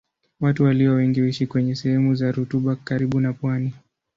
Watu walio wengi huishi kwenye sehemu za rutuba karibu na pwani.